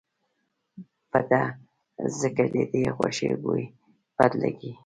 په ده ځکه ددې غوښې بوی بد لګي.